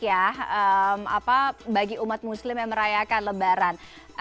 ya bagi umat muslim yang merayakan lebaran